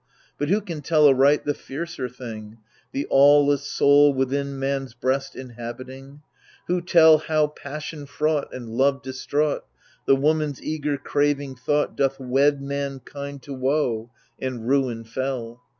But who can tell aright the fiercer thing, The aweless soul, within man's breast inhabiting ? Who tell, how, passion fraught and love distraught, The woman's eager, craving thought Doth wed mankind to woe and ruin fell